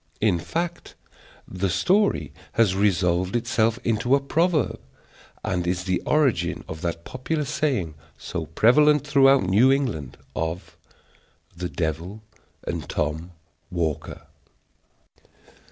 In fact, the story has resolved itself into a proverb, and is the origin of that popular saying, so prevalent throughout New England, of "The devil and Tom Walker." DR.